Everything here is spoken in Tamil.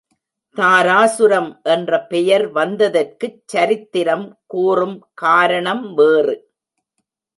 தாராசுரம் என்ற பெயர் வந்ததற்குச் சரித்திரம் கூறும் காரணம் வேறு.